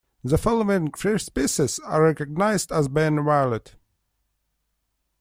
The following three species are recognized as being valid.